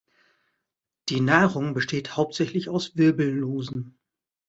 Die Nahrung besteht hauptsächlich aus Wirbellosen.